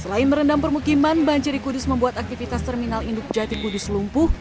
selain merendam permukiman banjir di kudus membuat aktivitas terminal induk jati kudus lumpuh